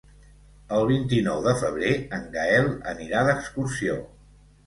El vint-i-nou de febrer en Gaël anirà d'excursió.